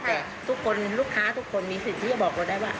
แต่ทุกคนลูกค้าทุกคนมีสิทธิ์ที่จะบอกเราได้ว่า